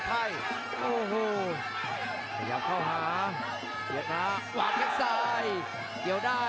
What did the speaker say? ประเภทมัยยังอย่างปักส่วนขวา